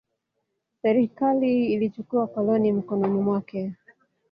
Serikali ilichukua koloni mikononi mwake.